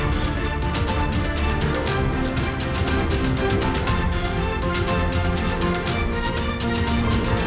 makanya dia maju gedung kuat